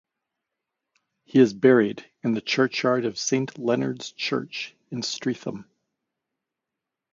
He is buried in the churchyard of Saint Leonards Church in Streatham.